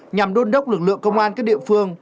nhằm đôn đốc lực lượng công an các địa phương